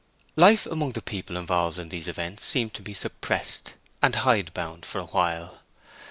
Life among the people involved in these events seemed to be suppressed and hide bound for a while.